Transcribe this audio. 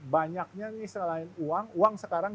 banyaknya nih selain uang uang sekarang